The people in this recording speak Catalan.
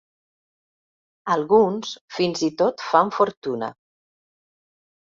Alguns fins i tot fan fortuna.